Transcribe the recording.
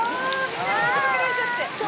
みんなに水かけられちゃって」